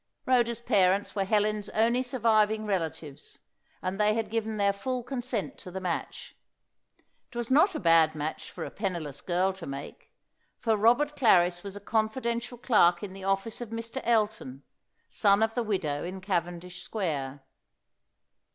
Rhoda's parents were Helen's only surviving relatives, and they had given their full consent to the match. It was not a bad match for a penniless girl to make; for Robert Clarris was a confidential clerk in the office of Mr. Elton, son of the widow in Cavendish Square.